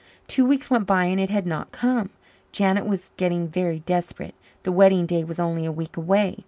Two weeks went by and it had not come. Janet was getting very desperate. The wedding day was only a week away.